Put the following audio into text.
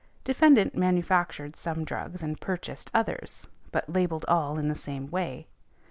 Defendant manufactured some drugs and purchased others, but labelled all in the same way.